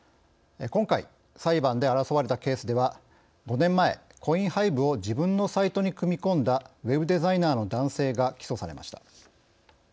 今回、裁判で争われたケースでは５年前、コインハイブを自分のサイトに組み込んだウェブデザイナーの男性が起訴されました。